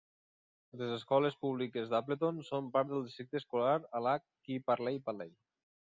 Les escoles públiques d'Appleton són part del districte escolar de Lac Qui Parle Valley.